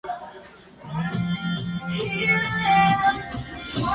La distancia reduce la responsabilidad".